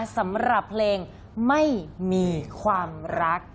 สำหรับเพลงไม่มีความรัก